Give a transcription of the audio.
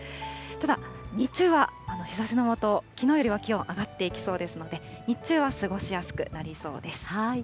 ただ、日中は日ざしの下、きのうよりは気温、上がっていきそうですので、日中は過ごしやすくなりそうです。